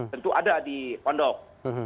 tentu ada di pondok